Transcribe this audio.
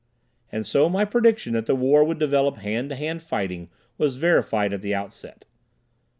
And so my prediction that the war would develop hand to hand fighting was verified at the outset.